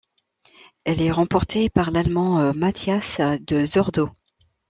Elle est remportée par l'Allemand Matthias de Zordo.